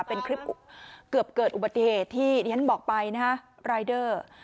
เป็นคลิปเกือบเกิดอุบัติเหตุที่ดิฉันบอกไปนะฮะรายเดอร์